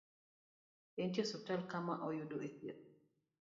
Entie e osiptal ka ma oyudo e thieth